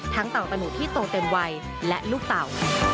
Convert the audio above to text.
เต่าตะหุที่โตเต็มวัยและลูกเต่า